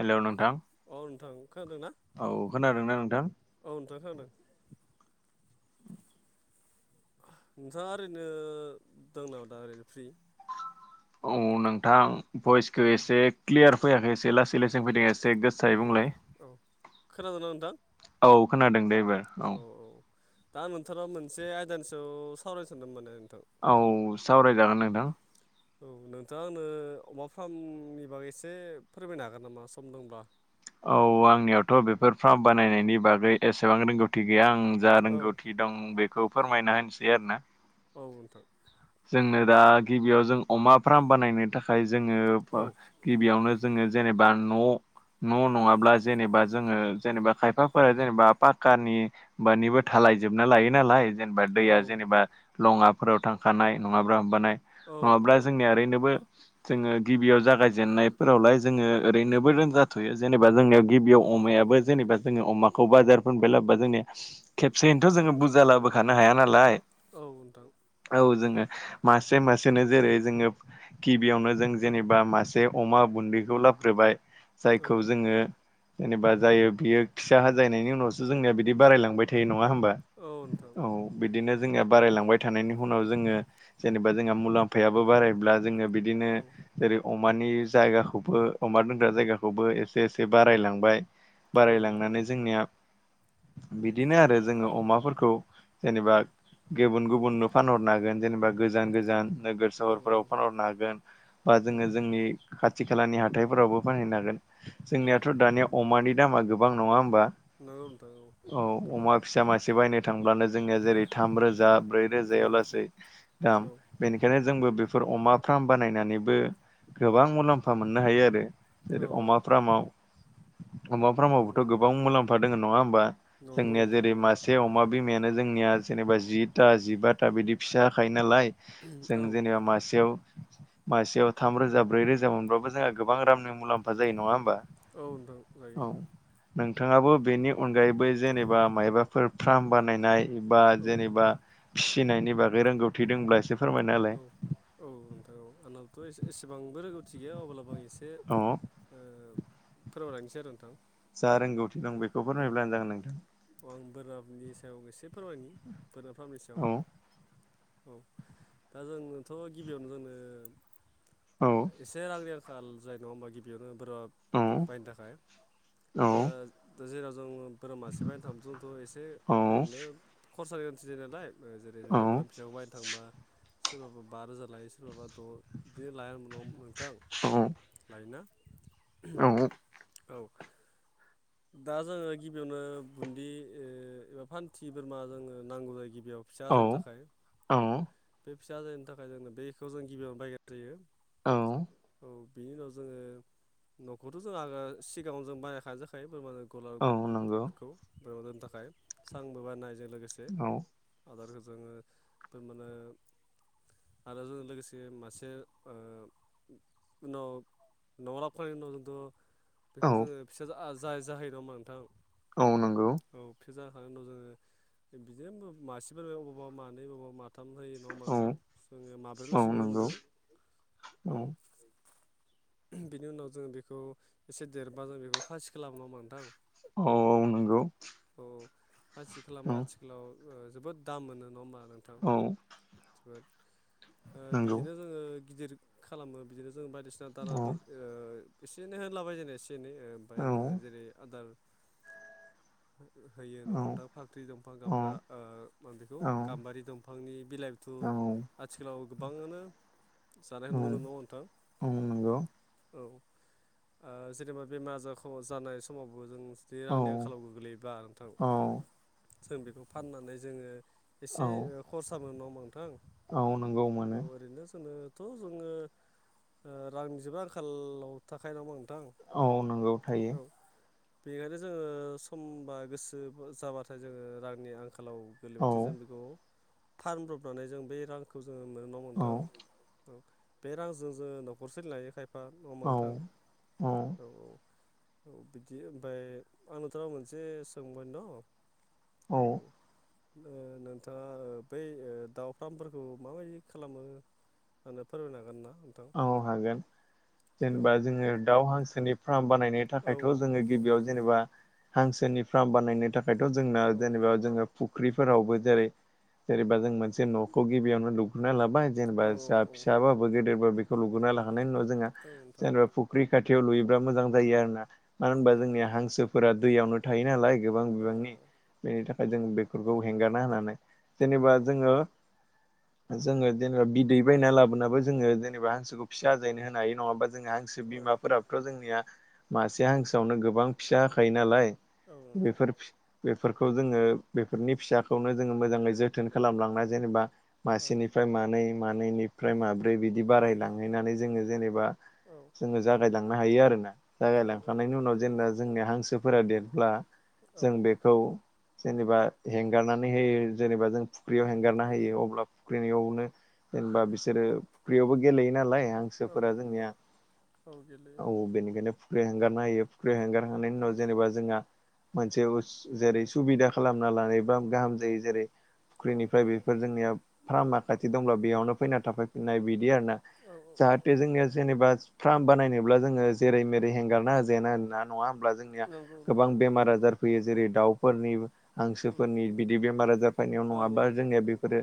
हेल नोंथां नोंथां खोनादोंना औ खोनादोंना नोंथां? औ नोंथां खोनादों नोंथाङा ओरैनो दं नामा दा ओरैनो फ्रि औ नोंथां भइसखौ औ एसे क्लियार फैयाखै एसे लासै लाेसन फैदों एसे। एसे गोसाय औ बुंलाय औ खोनादोंना नोंथां औ खोनादों दाइभार औ। दा नोंथोरा मोनसे आयदानि सो सावरायनो सानदोंमोनाने नोंथां। औ सावरायजागोन नोंथां। औ नोंथाङा आंनो अमा फार्मनि बागै एसे फोरमायनो हागोन नामा सम दंब्ला? औ आंनियावथ‌ बेफोर फ्राब बानायनायनि बागै एसेबां रोंगौथि गैया। आं जा औ रोंगौथि दं बेखौ फोरमायना होनोसै आरो ना। औ जोंनो दा गिबियाव जों अमा फ्राम बानायनो थाखाय जोङो औ गिबियावनो जोङो जेनेबा न न नङाब्ला जेनेबा जोङो जेनेबा खायफाफोरा जेनेबा पाक्कानि बानिबो थाला लायजोबना लायो नालाय जेनेबा औ दैया जेनेबा लङाफोराव थांखानाय नङाबा हमबानाय औ नङाब्ला नोंथां जोंनिया ओरैनोबो जोङो गिबियाव जागायजेननायफोरावलाय जोङो ओरैनोबो रोंजाथयो जेनेबा जों गिबियाव औ अमायाबो जेनेबा जोङो अमाखौ बाजारफोरबायलाबा जोंनि खेब जेनथ जोङो औ बुजा लाबोखानो हाया नालाय। औ नोंथां औ जोङो मसे मानो जेरै जोङ गिबियावनो जों जेनेबा मासे अमा बेखौ लाबग्रोबाय औ जायखौ जोङो जेनेबा जायो बियो फिसा हाजायनायनि उनावसो जोंनिया बिदि बारायलांबाय थायो नङा होमबा? औ नोंथां औ बिदिनो जोंनिया बारायलांबाय थानायनि उनाव जोङो जेनेबा जोंहा मुलाम्फायाबो बारायब्ला जोङो बिदिनो औ जेरै अ अमानि जायगाखौबो अमा दोनग्रा जायगाखौबो एसे एसे बारायलांबाय औ नोंथां बारायलांनानै जोंनिया बिदिनो आरो जोङो अमाफोरखौ जेनेबा गुबुन औ गुबुन फानहरनो हागोन जेनेबा गोजान गोजान नोगोर सहरफोराव औ फानहरनो हागोन बा औ जोङो जोंनि खाथि खाथि खालानि हाथायफोरावबो फानहैनांगोन औ जोंनियाथ दानिया अमानि दामा गोबां नङा होमबा? नंगौ नोंथां औ गोबां अमा फिसा मासे बायनो थांब्लानो जोंनिया जेरै थाम रोजा ब्रै [unintelligible] उम ओ औ बेनिखायनो जोंबो बेफोर अमा फार्म बानायनानैबो गोबां मुलाम्फा मोननो हायो आरो। औ अमा फार्ममाव अमा फामावबोथ नंगौ गोबां मुलाम्फा दङ नङा होमबा? नंगौ जोंनिया नोंथां जेरै नंगौ मासे अमा बिमायानो जोंनिया जेनेबा जिथा जिबााथा बिदि फिसा हाखायो नालाय जों औ जेनेबा मासेयाव मासेयाव थाम रोजा ब्रै रोजा मोनब्लााबबो जोंहा गोबां रामनि मुलाम्फा जायो नङा होमबा औ नोंथां जायो औ नोंथाङाबो बेनि अनगायैबो औ जेनेबा मायबाफोर फार्म बानायनाय बा औ जेनेबा फिनायनि बागै रोंगौथि दंब्ला एसे फोरमायना होलाय औ औ नोंथां औ आंनावथ एसेबांबो रोंगौथि गैया अब्लाबो आं एसे एसे औ ओ फोरमायलांनोसै आरो नोंथां। जा रोंगौथि दं बेखौ फोरमायब्लानो जागोन नोंथां। बोराबनि सायाव एसे फोरमनि बोरा फार्मनि सायाव औ औ। दा जोंथ गिबियावनो जोंनो औ एसे रांनि खाल जायो नङा होमबा गिबियावनो बोरा औ बायनो थाखाय दा दा जेराव जों बोरमा मासेबायनो थांबाथ' जोंथ एसे ओरैनो खरसानि गोनथि जायो नालाय जेरै जों औ दा बोरा फिसखौ बायनो थांबा सोरबाबा बा रोजा लायो सोरबाबा द बिदिनो लाय उनाव नोंथां लायोना। [unintelligible] औ। दा जोङो गिबियावनो बुन्दि एबा फान्थि बोरमा जोंङो नांगौ जायो गि गिबियाव फिसा औ आजायनि थाखाय औ बे फिसा आजायनि थाखाय जोंङो बेखौ जों गिबियावनो बायगनाय जायो। औ। औ बिनि उनाव जोङो न'खौथ जों आ सिगाङावनो जों बानाय खानाय जाखायो बोरमा गलार औ नंगौ गन्दखौ बे दोनो थाखाय सांबो बानायनायजों लोगोसे औ आदारखौ ओ जोङो थारमाने आरो जोंजों लोगोसे मासे उनाव न' लाबखांनायनि उनाव जोंथ औ बेखौ जोङो फिसा जाय जाहोयो नङामा नोंथां? औ नंगौ। जाखां उनाव जोङो बिदिनो मासेफोर अबावबा मानै बबेबा माथो साथाम होयो नङाा औ नोंथां जोङो औ माब्रैब्लासो नुनो नंगौ मोनदों औ। बेनि उनाव जों बेखौ एसे देरबा जों बेखौ खासि खालामा होमबा नोंथां। औ औ नंगौ। औ खासि खालामबा आथिखालाव जोबोद दाम मोनो नङा होमबा। नोंथां औ। नंगौ बिदिनो जोङो गिदिर खालामो बिदिनो जों बायदिसिना औ दानाबो एसे एनै होनलाबाय जेननो एसे एनै औ ओमफ्राय जोङो जेरै आदार होयो नङा औ होनबा नोंथां फाख्रि दंफां गामब्रा म बेखौ औ गाम्बारि दंफांनि बिलाइ बिथु औ आथिखालाव गोबाङानो जानायखौ नुनो मोनो नङा होनबा नोंथां? औ नंगौ। औ ओ जेनेबा बेमार आजार ख जानाय समावबो जों जुदि औ रांनि आंखालाव गोग्लैयोबा नोंथां औ जों बेखौ फाननानै जोङो एसे औ खरसा मोनो ना होनबा नोंथां औ नंगौ औ मोनो ओरैनो जों थ' जोङो रांनिजबो आंखालाव थाखाय न'ङा मोन औ नंगौ थायो। बेनिखायनो जोङो समबा गोसो जाबाथाय जोङो रांनि आंखा खालाव औ गोलैबथाय जों बेखौ फानब्रबनानै जों बे रांखौ जों औ मोनथों औ बे रांजों ज न'से लायोखाय औ औ। औ बिदि ओमफ्राय आं नोंथांनो' मोनसे सोंबाय दं। औ। नोंथाङा बै दाउ फार्मफोरखौ माबायदि खालामो आं फोरमायनो हागोन ना। नोंथां औ हागोन औ जेनेबा जोङो दाउ हांसोनि फार्म बानाय औ औ थाखायथ' जोङो गिबियाव जेनेबा हांसोनि फार्म बानायनो थाखाय। ओमायथ' जोंना औ जेनेबा जोङो। फुख्रिफोरावबो जेरै जेनेबा जों मोनसे न'खौ गिबियावनो लुगुरोना लाबो जेनेबा औ औ फिाबाबो गेदेरो बेखौ लुगना लाखानायनायनि उनाव जोंहा औ नोंथां जेनेबा फुख्रि खाथियाव खाथियाव लुयोब्ला मोजां जायो आरो ना मानो होनबा औ जोंनिया औ हांसोफोरा दैयावनो थायो नालाय गोबां औ बिबांनि बेनि थाखाय जों बेफोरखौ हेंगारना होनानै जेनेबा औ जोङो जोङो जेनेबा बिदै बायना लाबोनाबो जोङो जेनबा हांसोखौ फिसा आजायनो होनो हायो नङा होनबा जोंहा हांसो औ बिमाफोराबोथ' जोंनिया मासे हांसोआवनो गोबां फिसा होखायो नालाय औ नोंथां बेफोर बेफोरखौ जोङो बेफोरनि फिसाखौनो जोङो मोजाङै जोथोन खालामलांना जेनेबा औ मासेनिफ्राय मानै मानैनिफ्राय माब्रै बिदि बारायलांहैनानै जोङो जेनेबा जोङो जागायलांनो हायो आरोना औ औ जागायलांखांनायनि उनाव हायो जेनेबा नोंथां जोंनिया हांसोफोरा देरो ब्ला औ जों बेखौ जेनेबा हेंगारनानै होयो जेनेबा जों फुख्रियाव उम हेंगारना होयो अब्ला फुख्रिनियावनो जेनेबा बिसोरो फुख्रियावबो गेलेयो नालाय औ हांसोफोरा जोंनिया औ गेलेयो औ बेनिखायनो फुरि हांगारना होयो बो हेंगारखांनायनि उम उनाव जेनेबा जोंहा मोनसे जेरै सुबिदा खालामना लानायबा गाहाम जायो जेरै औ फुख्रिनिफ्राय बेफोर जोंनिया फार्मा खाथि दंब्ला बेयावनो फैना थाफाय फिननाय बि बि आरो ना औ औ औ जाहाथे जोङो जेनेबा फार्म बानायनोब्ला जोङो जेरै मेरै हेंगार ना हो जेना ना नङा ब्ला जोंनिया नंगौ गोबां नोंथां बेमार आजार फैयो जेरै दाउफोरनि उम हांसोफोरनि बिदि बेमार आजार फैनायाव औ नङाबा औ जोंनिया बेफोरो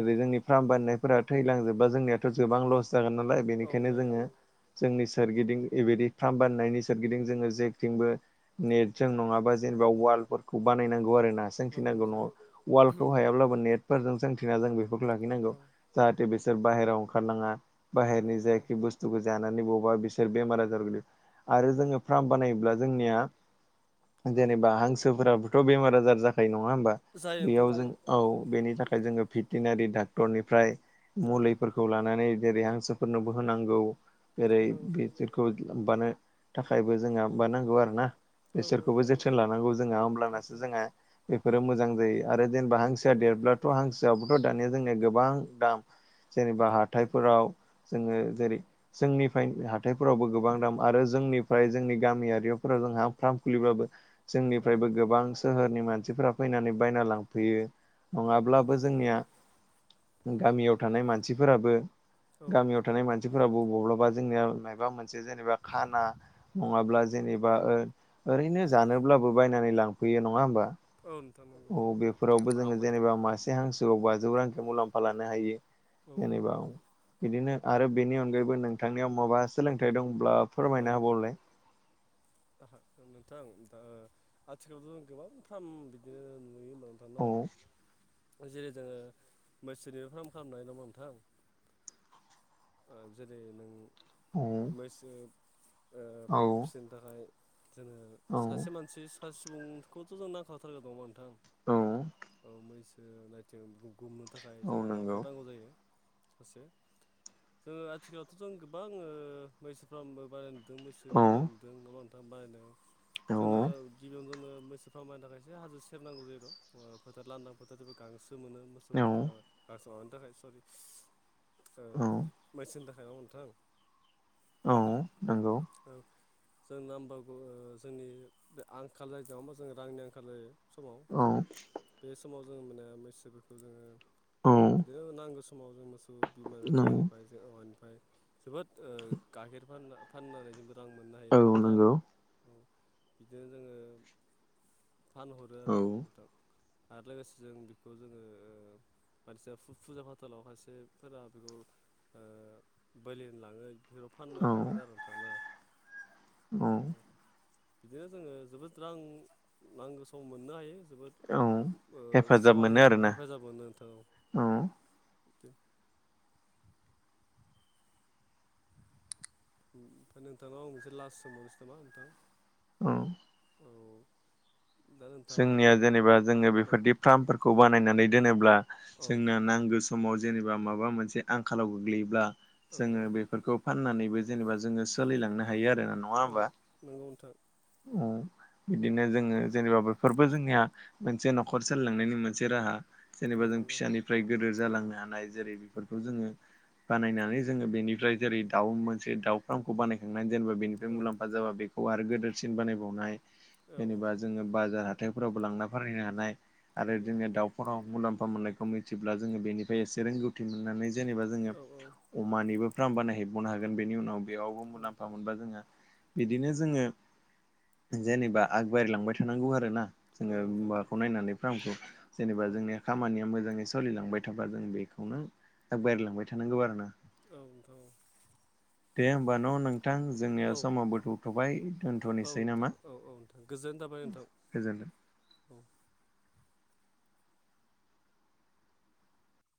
जुै जोंनि फार्म बारनायफोरा थैलांजोबा जोंनियाथ' गोबां लस जागोन नालाय औ बेनिखायनो जायो जोङो औ जोंनि सोरगिदिं बेबायदि फार्म बाननायनि सोरगिदिं जोङो जेथिंबो नेट जों नङाबा औ जेनेबा औ वालफोरखौ बानायनांगौ आरो ना नांगौ सोंख्रिनांगौ न जायो वालखौ हायाब्लाबो नेट फोरजों सोंथिना जों बेफोरखौ लाखिनांगौ औ जाहाथे बिसोर बाहेरायाव ओंखारनाङा औ औ बाहेरनिजायाखि बस्थुखौ जा बबेबा बिसोर बे आजार आरो जोङो फार्म बानायोब्ला जोंनिया जेनेबा हांसोफोराबोथ' बेमार-आजार जाखायो नङा होमबा जायो नोंथां बेयाव जों जायो औ बेनि नि थाखाय जोङो भेटेनारि डाक्टरनिफ्राय औ मुलिफोरखौ लानानै जेरै हांसोफोरनोबो होनांगौ जेरै होनांगौ जायो बिसोरखौ मानो थाखायबो जोंहा मानांगौ आरो ना औ बिसोरखौबो जोथोन लानांगौ जोंहा होमब्लानासो नोंथां जोंहा बेफोरो मोजां जायो आरो जेनेबा हांसोया औ देरब्लाथ' हांसोआबोथ' दानिया जोंनिया गोबां दाम जेनेबा हाथायफोराव जोङो जेरै जोंनिफ्राय हाथायफोरावबो गोबां दाम आरो जोंनिफ्राय जोंनि गामियारिफोराव जोंहा फार्म खुलिब्लाबो जोंनिफ्रायबो गोबां सोहोरनि मानसिफोरा फैनानै बायना लांफैयो औ औ नङाब्लाबो जोंनिया गामियाव थानाय मानसिफोराबो औ गामियाव थानाय मानसि मानसिफोराबो बब्लाबा जोंनिया माबा मोनसे जेनेबा खाना नङाब्ला जेनेबा ओरैनो जानोब्लाबो बायनानै लांफैयो नङा होमबा नोंथां नंगौ अ बेफोरावबो जोङो जेनेबा मासे हांसो आव बाजौ रांख मुलाम्फा लानो हायो औ औ जेनेबा बिदिनो आरो बेनि अनगायैबो नोंथांनियाव माबा सोलोंथाइ दंब्ला फोरमायना औ औ होबावलै नोंथां दा आथिखालावथ' गोबांफ्राम बिदिनो औ नु [unintelligible] जेरै जोङो मैसोनि फार्म खालामनानै दङ' नोंथां जेरै नों औ मैसो औ फिसिनो थाखाय जोङो औ सासे मानसि सा सुबुंखौथ' जों नांखाथारगोन नामा नोंथां औ औ मैसो नायथिं गुमनो थाखाय औ जोंनो लावखार नंगौ नांगौ जायो सासे जोङो आथिखालावथ' जों गोबां ओ मैसोफ्रामबो बायलाय नुदों मैसो फालिलाय औ। नदों नामा थां बायदों। औ जोङो गिबियावनो जोंनो मैसोफ्रामायनो थाखायसो हाजो सेरनांगौ जायो र'। ओ फोथार लांदां फोथारजोंबो गांसो सो मोनो मोसौनि थाखाय गास माबानि थाखाय सरि ओ औ मैसोनि थाखाय नङा होमबा नोंथां? औ नोंगौ। जों नाम्बारग' ओ जोंनि बे आंखाल जायो नङा होमबा जों रांनि आंखाल जायो समाव। औ बे समाव जोङो माने मैसोफोरखौ जोङो औ ओ बिदिनो नांगौ समाव जों मोसौ बिमा नंगौ गारिनिफ्राय जों औवानिफ ओमफाय जोबोद ओ गाइखेर फानना फाननानै जोंबो रां मोननो हायो। औ नङा होनबा नोंथां? नंगौ औ। बिदिनो जोङो फानहरो औ आरो नोंथां। आरो लोगोसे जों बेखौ जोङो ओ मानसिना फु-फुजा फाथालावहाय सेफोरा बेखौ ओ बोलि होनो लाङो। बिसोरो फाननो औ हागोन आरो। नोंथां ना औ बिदिनो जोङो जोबोद रां नांगौ सम मोननो हायो। जोबोद औ ओ हेफाजाब सहाय मोनो होयो आरोना हेफाजाब मोनो नोंथां‌ औ। [unintelligible] ओमफाय नोंथांनाव आं मोनसे लास्ट सोंबावनसै नामा नोंथां? औ औ दा नोंथाङा जोंनिया जेनेबा जोङो ओ बेफोरदि फ्रामफोरखौ बानायनानै दोनोब्ला औ जोंना नांगो समाव जेनेबा माबा मोनसे आंखालाव गोग्लैयोब्ला औ जोङो औ बेफोरखौ फाननानैबो जेनेबा जोङो सोलिलांनो हायो आरोना। नङा औ होमबा? नंगौ नोंथां औ बिदिनो जोङो जेनेबा बो फोरबो जोंनिया मोनसे न'खर सोलिलांनायनि मोनसे राहा औ जेनेबा जों नंगौ फिसानिफ्राय गोदोर जालांनो हानाय जेरै बेफोरखौ जोङो बानायनानै जोङो बेनिफ्राय जेरै दाउ मोनसे दाउ फ्रामखौ बानाय खा ङनानै जेनबा बेनिफ्राय औ मुलाम्फा जाबा बेखौ आरो गोदोरसिन बानायबावनाय औ जेनेबा औ जोङो बाजार हाथायफोरावबो लांना फानहैनो हानाय आरो हायो जोङो दाउफोरम मुलाम्फा मोननायखौ मिथिब्ला जोङो बेनिफ्राय एसे रोंगौथि मोननानै जेनेबा जोङो औ अमानिबो फ्राम बानायहैबावनो हागोन। बेनि उनाव बेयावबो औ मुलाम्फा मोनबा जोङो बिदिनो जोङो जेनेबा आग बारिलांबाय थानांगौ आरो ना। औ जोङो नोंथां माखौ औ नायनानै फ्रामखौ जेनेबा औ जोंनिया खामानिया मो जाङै स'लिलांबाय थाबा जों बेखौनो आग बारिलांबाय थानांगौ आरो ना। औ औ। दे होमबा न नों थां जोंनिया समाव थुथ'बाय। औ दोनथ'निसै नोंथां नामा? औ नोंथां गोजोन थाबाय नोंथां गोजोनथों। औ।